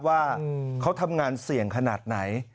ว่าเขาทำงานเสี่ยงขนาดไหน